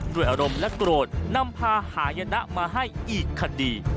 ด้วยอารมณ์และโกรธนำพาหายนะมาให้อีกคดี